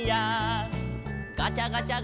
「ガチャガチャ